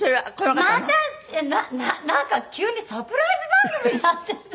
またなんか急にサプライズ番組になって。